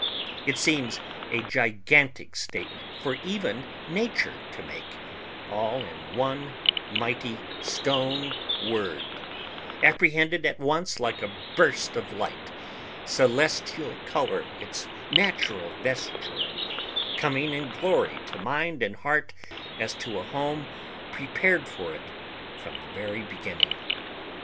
It seems a gigantic statement for even nature to make, all in one mighty stone word, apprehended at once like a burst of light, celestial color its natural vesture, coming in glory to mind and heart as to a home prepared for it from the very beginning.